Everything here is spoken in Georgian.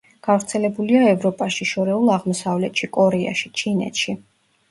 გავრცელებულია ევროპაში, შორეულ აღმოსავლეთში, კორეაში, ჩინეთში.